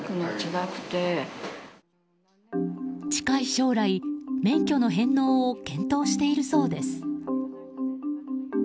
近い将来、免許の返納を検討しているそうです。